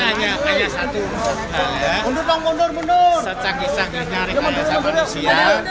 banyaknya hanya satu hal ya secanggih canggihnya rekayasa manusia